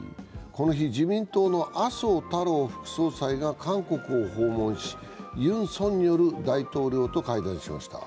この日、自民党の麻生太郎副総裁が韓国を訪問し、ユン・ソンニョル大統領と会談しました。